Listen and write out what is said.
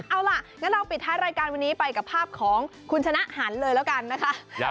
เอาล่ะงั้นเราปิดท้ายรายการวันนี้ไปกับภาพของคุณชนะหันเลยแล้วกันนะคะ